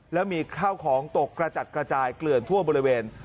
แล้วมีข้าวของตกกระจัดกระจายเกลื่อนทั่วบริเวณ